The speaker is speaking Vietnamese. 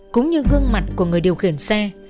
cũng như gương mặt của người điều khiển xe